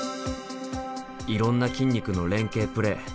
いろんな筋肉の連係プレー。